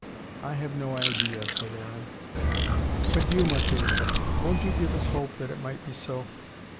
"I have no idea," said Aaron. "But you, Marchesa. Won't you give us hope that it might be so?"